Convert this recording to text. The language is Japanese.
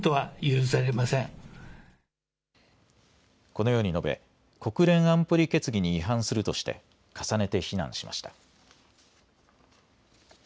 このように述べ国連安保理決議に違反するとして重ねて非難しました。